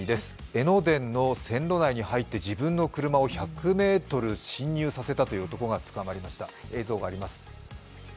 江ノ電の線路内に入って自分の車を１００ｍ進入させたという映像があります。